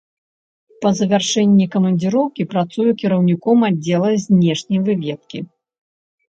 Па завяршэнні камандзіроўкі працуе кіраўніком аддзела знешняй выведкі.